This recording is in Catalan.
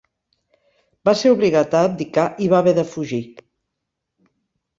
Va ser obligat a abdicar i va haver de fugir.